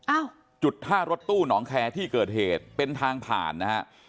อ้าวจุดท่ารถตู้หนองแคร์ที่เกิดเหตุเป็นทางผ่านนะฮะ